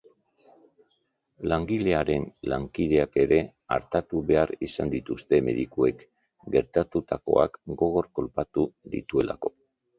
Langilearen lankideak ere artatu behar izan dituzte medikuek, gertatutakoak gogor kolpatu dituelako.